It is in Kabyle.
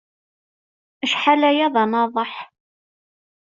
Acḥal aya d anaḍeḥ.